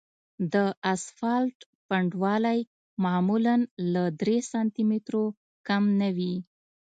د اسفالټ پنډوالی معمولاً له درې سانتي مترو کم نه وي